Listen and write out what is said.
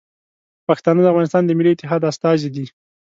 پښتانه د افغانستان د ملي اتحاد استازي دي.